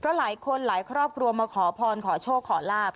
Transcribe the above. หลายคนหลายครอบครัวมาขอพรขอโชคขอลาบ